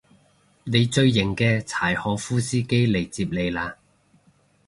你最型嘅柴可夫司機嚟接你喇